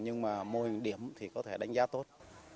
nhưng mà mô hình điểm thì có thể đánh giá tốt